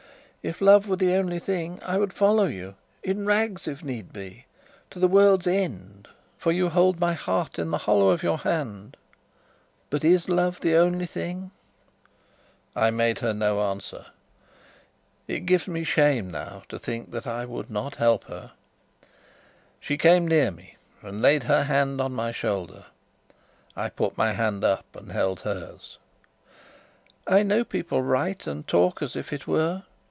"If love were the only thing, I would follow you in rags, if need be to the world's end; for you hold my heart in the hollow of your hand! But is love the only thing?" I made no answer. It gives me shame now to think that I would not help her. She came near me and laid her hand on my shoulder. I put my hand up and held hers. "I know people write and talk as if it were.